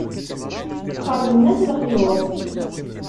Xerben-as lexyuḍ.